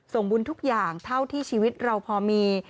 ส่งบุญทุกอย่างเท่าที่ชีวิตเราพอมี